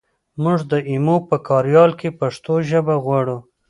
مونږ د ایمو په کاریال کې پښتو ژبه غواړو